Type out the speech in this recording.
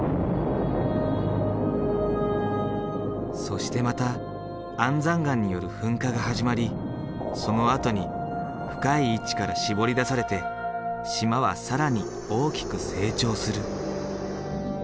そしてまた安山岩による噴火が始まりそのあとに深い位置からしぼり出されて島は更に大きく成長する。